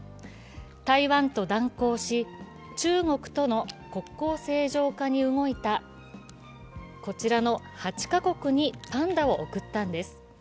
台湾と断交し中国との国交正常化に動いたこちらの８か国にパンダを送ったんです。